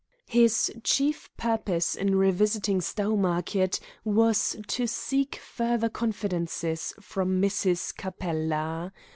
His chief purpose in revisiting Stowmarket was to seek further confidences from Mrs. Capella.